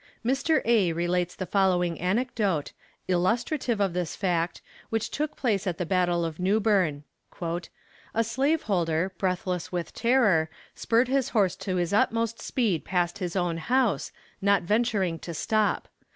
Mr. A. relates the following anecdote, illustrative of this fact, which took place at the battle of Newbern: "A slaveholder, breathless with terror, spurred his horse to his utmost speed past his own house, not venturing to stop.